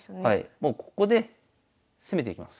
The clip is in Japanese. もうここで攻めていきます。